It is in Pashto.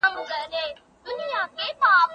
ښوونکي به له مودې روزنه کړې وي.